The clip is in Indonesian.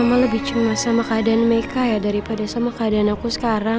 kok mama lebih cuman sama keadaan mekah ya daripada sama keadaan aku sekarang